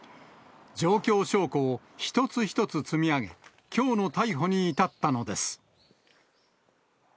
状況証拠を一つ一つ積み上げ、きょうの逮捕に至ったのです。